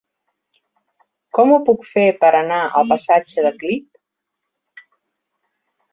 Com ho puc fer per anar al passatge de Clip?